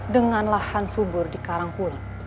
dengan lahan subur di karangkuli